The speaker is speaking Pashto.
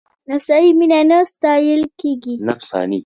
نفساني مینه نه ستایل کېږي.